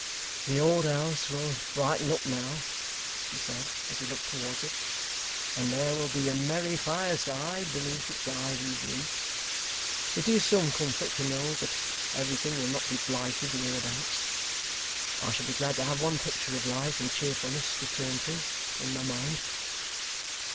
'The old house will brighten up now,' he said, as he looked towards it, 'and there will be a merry fireside beneath its ivied roof. It is some comfort to know that everything will not be blighted hereabouts. I shall be glad to have one picture of life and cheerfulness to turn to, in my mind!